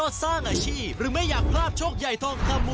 กี่โมงกี่ยามแล้วเนี่ยโอ้โห